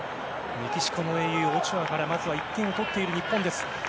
メキシコの英雄、オチョアから１点を取っている日本です。